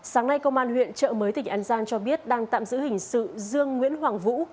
sáng nay công an huyện trợ mới tỉnh an giang cho biết đang tạm giữ hình sự dương nguyễn hoàng vũ